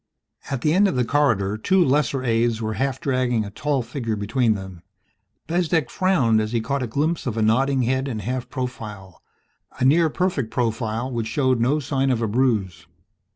At the end of the corridor two lesser aides were half dragging a tall figure between them. Bezdek frowned as he caught a glimpse of a nodding head in half profile a near perfect profile which showed no sign of a bruise.